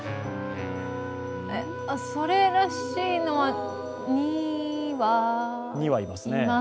それらしいのは２羽いますね。